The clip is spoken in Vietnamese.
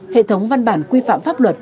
hệ thống văn bản quy phạm pháp luật